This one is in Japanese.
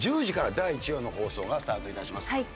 １０時から第１話の放送がスタートいたします。